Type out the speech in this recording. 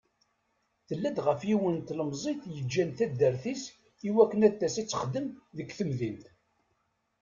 Tella-d ɣef yiwen n tlemzit yeǧǧan taddart-is akken ad d-tas ad texdem deg temdint.